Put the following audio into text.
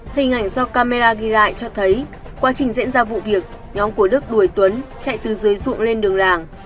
hình ảnh do camera ghi lại cho thấy quá trình diễn ra vụ việc nhóm của đức đuổi tuấn chạy từ dưới ruộng lên đường làng